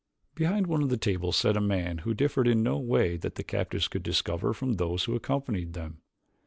Behind one of the tables sat a man who differed in no way that the captives could discover from those who accompanied them.